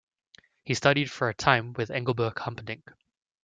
He studied for a time with Engelbert Humperdinck.